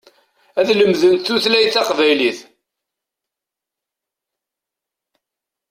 Ad lemdent tutlayt taqbaylit.